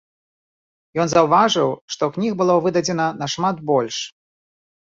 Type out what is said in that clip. Ён заўважыў, што кніг было выдадзена нашмат больш.